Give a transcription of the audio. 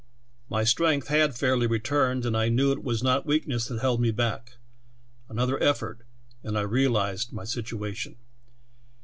My strength had fairly returned, and I knew it was not weakness that held me back. Another effort, and I realized my situation.